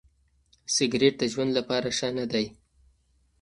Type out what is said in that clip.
سګریټ د ژوند لپاره ښه نه دی.